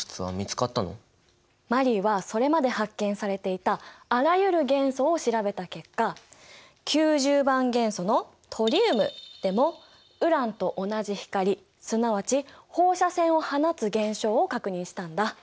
マリーはそれまで発見されていたあらゆる元素を調べた結果９０番元素のトリウムでもウランと同じ光すなわち放射線を放つ現象を確認したんだ。